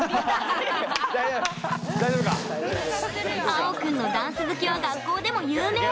あお君のダンス好きは学校でも有名。